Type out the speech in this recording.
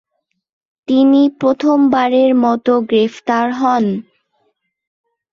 তিনি প্রথমবারের মত গ্রেফতার হন।